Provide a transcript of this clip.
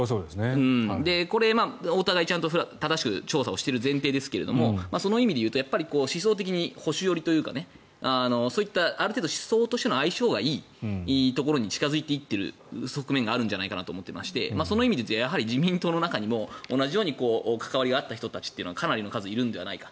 これはお互いに正しく調査をしている前提ですがそういう意味で言うと思想的に保守寄りというかそういったある程度思想としての相性がいいところに近付いていっている側面があるんじゃないかと思っていてその意味では、自民党の中にも同じように関わりがあった人たちはかなりの数いるのではないか。